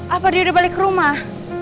apa dia udah balik ke rumah